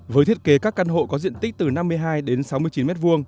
với thiết kế các căn hộ có diện tích từ năm mươi hai đến sáu mươi chín m hai